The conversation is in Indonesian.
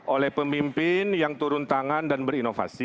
oleh pemimpin yang turun tangan dan berinovasi